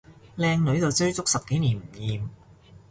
靚女就追足十幾年唔厭